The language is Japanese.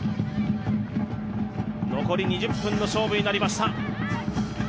残り２０分の勝負になりました。